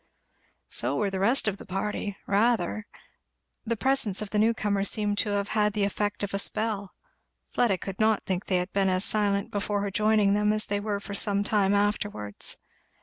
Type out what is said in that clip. So were the rest of the party rather. The presence of the new comer seemed to have the effect of a spell. Fleda could not think they had been as silent before her joining them as they were for some time afterwards.